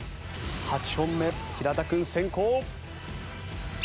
８本目平田君先攻。